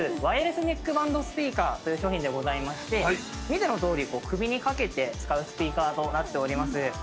ワイヤレスネックバンドスピーカーという商品でございまして見てのとおり首に掛けて使うスピーカーとなっております。